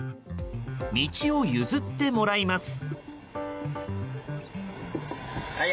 道を譲ってもらいます。